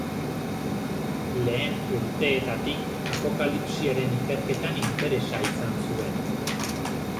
Lehen urteetatik Apokalipsiaren ikerketan interesa izan zuen.